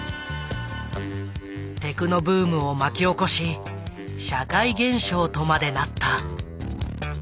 テクノブームを巻き起こし社会現象とまでなった。